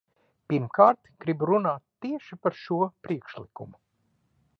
Pirmkārt, gribu runāt tieši par šo priekšlikumu.